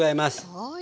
はい。